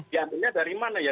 diantaranya dari mana ya